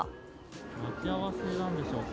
待ち合わせなんでしょうか。